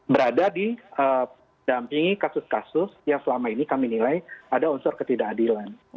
berada di dampingi kasus kasus yang selama ini kami nilai ada unsur ketidakadilan